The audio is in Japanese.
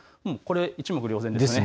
一目瞭然ですね。